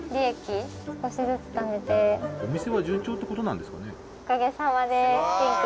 お店は順調ってことなんですかね？